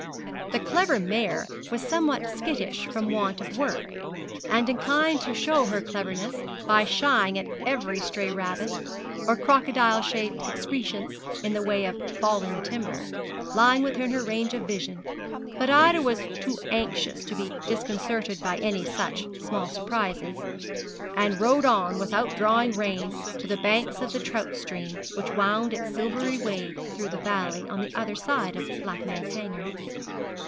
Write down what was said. The clever mare was somewhat skittish from want of work, and inclined to show her cleverness by shying at every stray rabbit, or crocodile shaped excrescence in the way of fallen timber, lying within her range of vision; but Ida was too anxious to be disconcerted by any such small surprises, and rode on without drawing rein to the banks of the trout stream which wound its silvery way through the valley on the other side of Blackman's Hanger.